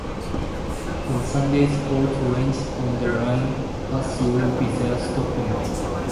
On Sundays all trains on the line pass through without stopping.